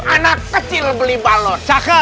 anak kecil beli balon